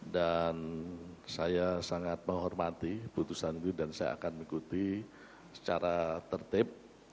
dan saya sangat menghormati putusan ini dan saya akan mengikuti secara tertib